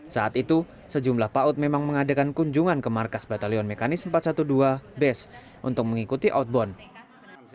saat itu sejumlah paut memang mengadakan kunjungan ke markas batalion mekanis empat ratus dua belas bes untuk mengikuti outbound